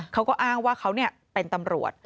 เขาก็อ้างว่าเขาเป็นตำรวจ